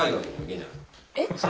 えっ？